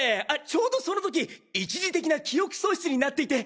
ちょうどその時一時的な記憶喪失になっていて。